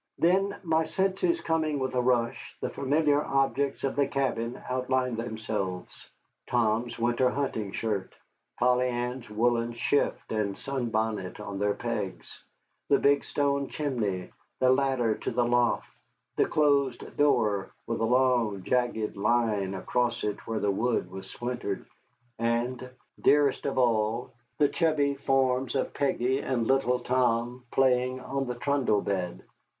Then, my senses coming with a rush, the familiar objects of the cabin outlined themselves: Tom's winter hunting shirt, Polly Ann's woollen shift and sunbonnet on their pegs; the big stone chimney, the ladder to the loft; the closed door, with a long, jagged line across it where the wood was splintered; and, dearest of all, the chubby forms of Peggy and little Tom playing on the trundle bed.